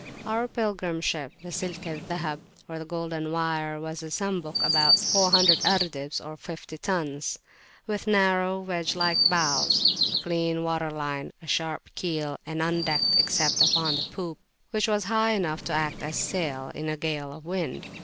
Our Pilgrim Ship, the Silk al Zahab, or the "Golden Wire," was a Sambuk, of about 400 ardebs (fifty tons), with narrow, wedge like bows, a clean water line, a sharp keel, and undecked, except upon the poop, which was high enough to act as a sail in a gale of wind.